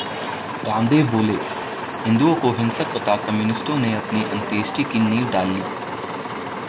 रामदेव बोले- हिन्दुओं को हिंसक बता कम्युनिस्टों ने अपनी अंत्येष्टि की नींव डाल ली